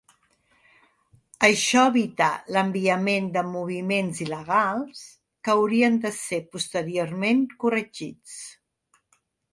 Això evita l'enviament de moviments il·legals, que haurien de ser posteriorment corregits.